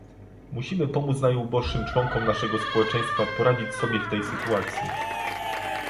Musimy pomóc najuboższym członkom naszego społeczeństwa poradzić sobie w tej sytuacji